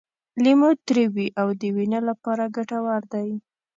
لیمو تریو وي او د وینې لپاره ګټور دی.